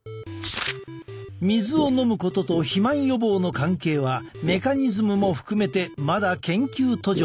水を飲むことと肥満予防の関係はメカニズムも含めてまだ研究途上だ。